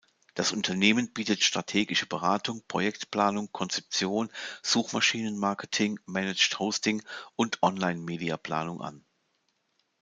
Das Unternehmen bietet strategische Beratung, Projektplanung, Konzeption, Suchmaschinen-Marketing, Managed Hosting und Online-Mediaplanung an.